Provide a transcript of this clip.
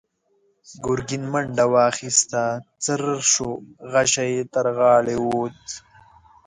ګرګين منډه واخيسته، څررر شو، غشۍ يې تر غاړې ووت.